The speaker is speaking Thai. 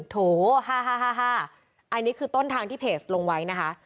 โถ๕๕อันนี้คือต้นทางที่เพจลงไว้นะคะ